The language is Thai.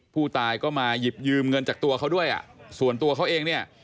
ผู้ตายก็มาหยิบยืมเงินจากตัวเขาด้วยอ่ะส่วนตัวเขาเองเนี่ย